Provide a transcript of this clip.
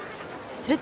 すると。